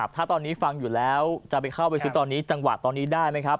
ถ้าตอนนี้ฟังอยู่แล้วจะไปเข้าไปซื้อตอนนี้จังหวะตอนนี้ได้ไหมครับ